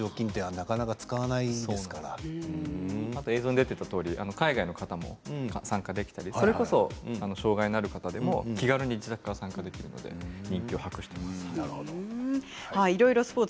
映像に出ていたとおり海外の方も参加できたり障害のある方でも気軽に自宅から参加できるので人気を博しています。